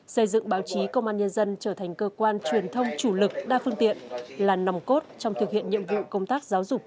xây dựng báo chí công an nhân dân trở thành cơ quan truyền thông chủ lực đa phương tiện là nòng cốt trong thực hiện nhiệm vụ công tác giáo dục